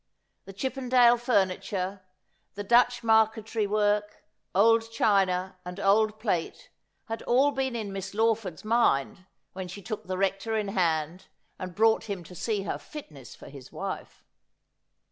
The Chippendale furniture, the Dutch marque terie work, old china, and old plate had all been in Miss Lawford's mind when she took the Rector in hand and brought him to see her fitness for his wife.